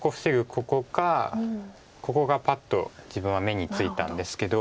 ここかここがパッと自分は目についたんですけど。